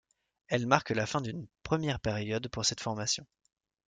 Elle marque la fin d'une première période pour cette formation.